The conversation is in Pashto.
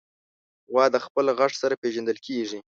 غوا د خپل غږ سره پېژندل کېږي.